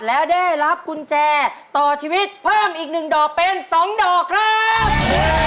แล้วได้รับกุญแจต่อชีวิตเพิ่มอีก๑ดอกเป็น๒ดอกครับ